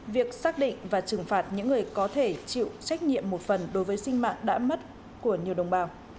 việc xác định và trừng phạt những người có thể chịu trách nhiệm một phần đối với sinh mạng đã mất của nhiều đồng bào